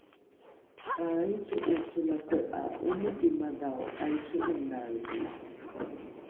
’aaico’ono solate ’a omiki madhao ’aico’onaeli